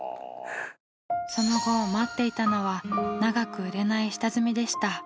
その後待っていたのは長く売れない下積みでした。